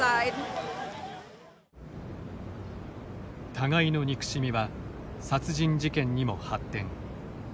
互いの憎しみは殺人事件にも発展。